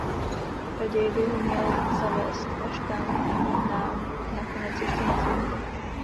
Raději bych ho měl zavést až tam, aby nám nakonec ještě nefrnkl.